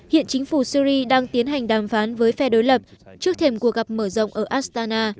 hiện chính phủ syri đang tiến hành đàm phán với phe đối lập trước thềm cuộc gặp mở rộng ở astana